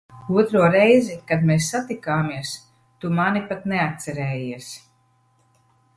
Otro reizi, kad mēs satikāmies, tu mani pat neatcerējies.